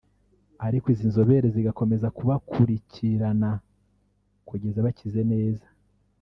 ariko izi nzobere zigakomeza kubakurikirana kugeza bakize neza